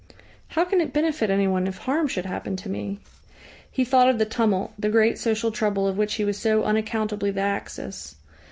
"How can it benefit anyone if harm should happen to me?" He thought of the tumult, the great social trouble of which he was so unaccountably the axis.